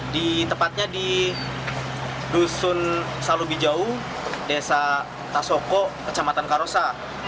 di tempatnya di dusun salubijau desa tasoko kecamatan karosa